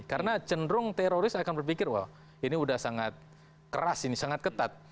karena cenderung teroris akan berpikir wah ini sudah sangat keras ini sangat ketat